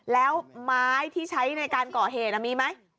แล้วไม้ที่ใช้ในการก่อเหตุมีไหม